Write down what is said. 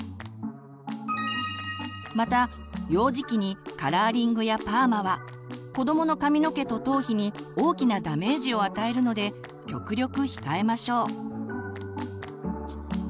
また幼児期にカラーリングやパーマは子どもの髪の毛と頭皮に大きなダメージを与えるので極力控えましょう。